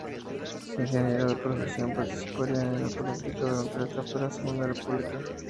Ingeniero de profesión, participaría en política durante la etapa de la la Segunda República.